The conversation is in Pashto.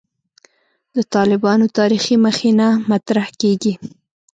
د «طالبانو تاریخي مخینه» مطرح کېږي.